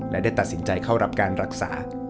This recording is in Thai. และได้ตัดสินใจเข้ารับการรักษา